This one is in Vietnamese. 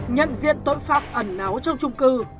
nhận diện tội phạm ẩn náu trong chung cư